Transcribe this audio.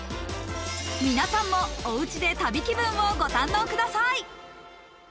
皆さんもおうちで旅気分をご堪能ください。